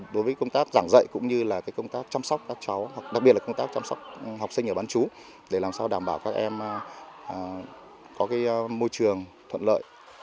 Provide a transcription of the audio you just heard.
đối với công tác giảng dạy cũng như là công tác chăm sóc các cháu đặc biệt là công tác chăm sóc học sinh ở bán chú để làm sao đảm bảo các em có môi trường thuận lợi